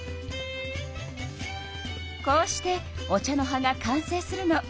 こうしてお茶の葉が完成するの。